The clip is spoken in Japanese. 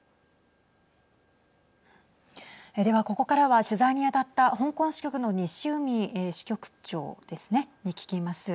ではここからは取材に当たった香港支局の西海支局長ですねに聞きます。